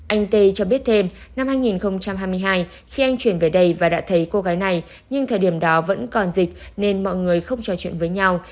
anh tê cho biết thêm năm hai nghìn hai mươi hai khi anh chuyển về đây và đã thấy cô gái này nhưng thời điểm đó vẫn còn dịch nên mọi người không trò chuyện với nhau